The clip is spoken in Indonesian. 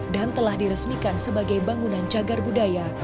dan telah diresmikan sebagai bangunan jagar budaya